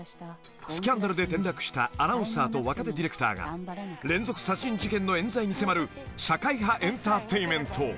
［スキャンダルで転落したアナウンサーと若手ディレクターが連続殺人事件の冤罪に迫る社会派エンターテインメント］